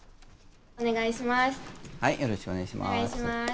おねがいします。